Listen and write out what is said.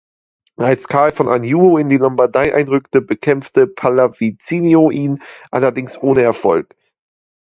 Als Karl von Anjou in die Lombardei einrückte, bekämpfte Pallavicino ihn, allerdings ohne Erfolg.